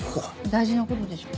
大事な事でしょ。